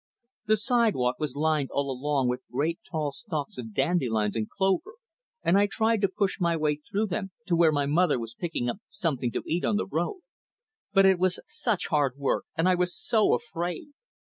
The sidewalk was lined all along with great tall stalks of dandelions and clover, and I tried to push my way through them to where my mother was picking up something to eat on the road. But it was such hard work, and I was so afraid!